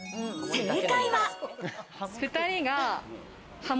正解は。